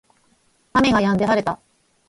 雨が止んで晴れた